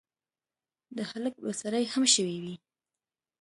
د هلک به سړې هم شوي وي.